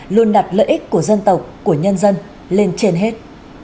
luôn đặt lợi ích của dân tộc của nhân dân lên trên hết